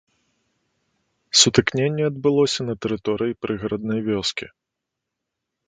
Сутыкненне адбылося на тэрыторыі прыгараднай вёскі.